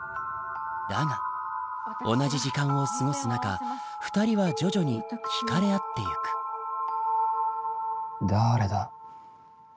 だが同じ時間を過ごす中２人は徐々に惹かれ合ってゆくだーれだ。